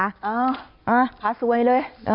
อ้าวพลัดสวยเลย